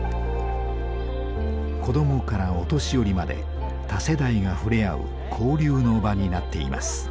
子どもからお年寄りまで多世代が触れ合う交流の場になっています。